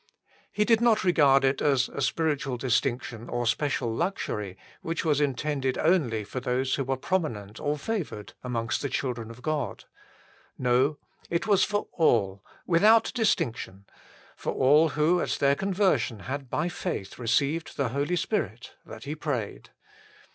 He did not regard it as a spiritual distinction or special luxury which was intended only for those who were prominent or favoured amongst the children of God. No : it was for all without distinction, for all who at their conversion had by faith received the Holy Spirit, that he prayed.